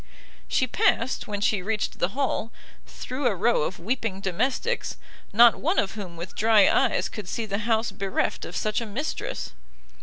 She passed, when she reached the hall, through a row of weeping domestics, not one of whom with dry eyes could see the house bereft of such a mistress.